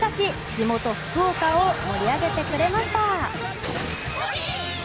地元・福岡を盛り上げてくれました。